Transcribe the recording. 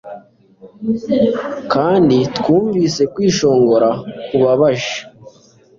kandi twumvise kwishongora kubabaje